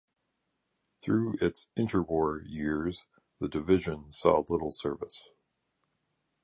Through its interwar years, the division saw little service.